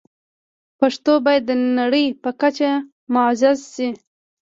پښتو باید د نړۍ په کچه معزز شي.